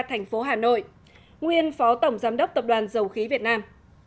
thành phố hà nội nguyên phó tổng giám đốc tập đoàn dầu khí việt nam